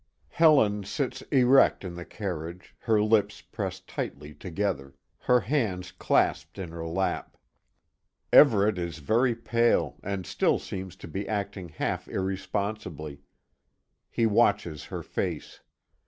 Helen sits erect in the carriage, her lips pressed tightly together, her hands clasped in her lap. Everet is very pale, and still seems to be acting half irresponsibly. He watches her face.